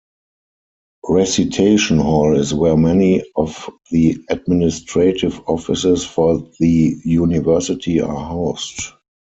Recitation Hall is where many of the administrative offices for the University are housed.